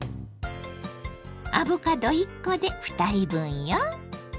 アボカド１コで２人分よ。